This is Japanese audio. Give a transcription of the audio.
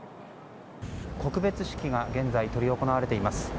告別式が現在、執り行われています。